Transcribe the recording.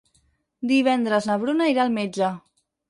Divendres na Bruna irà al metge.